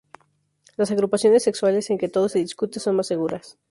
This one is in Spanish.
Las agrupaciones sexuales en que todo se discute son más seguras.